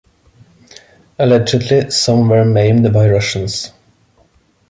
Allegedly some were maimed by Russians.